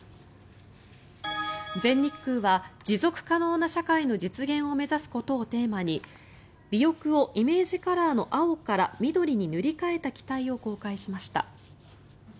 全日空は持続可能な社会の実現を目指すことをテーマに尾翼をイメージカラーの青から緑に塗り替えた機体を公開しました。